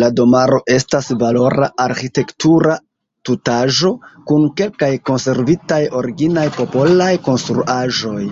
La domaro estas valora arĥitektura tutaĵo kun kelkaj konservitaj originaj popolaj konstruaĵoj.